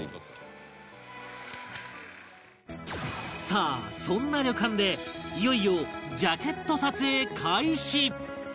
さあそんな旅館でいよいよジャケット撮影開始！